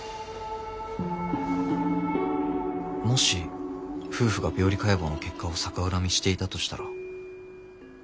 もし夫婦が病理解剖の結果を逆恨みしていたとしたら。